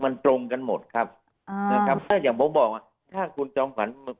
มันตรงกันหมดครับอ่านะครับถ้าอย่างผมบอกอ่ะถ้าคุณจอมขวัญ